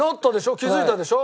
気づいたでしょ？